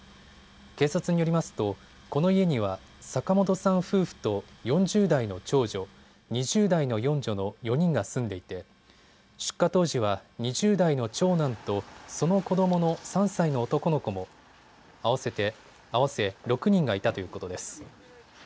警察によりますとこの家には坂本さん夫婦と４０代の長女、２０代の四女の４人が住んでいて出火当時は２０代の長男とその子どもの３歳の男の子の合わせ６人がいたということです。